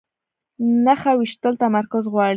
نښه ویشتل تمرکز غواړي